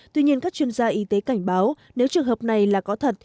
tuy nhiên các chuyên gia y tế cảnh báo nếu trường hợp này là có thật